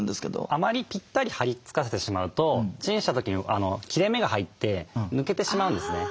あまりピッタリはり付かせてしまうとチンした時に切れ目が入って抜けてしまうんですね。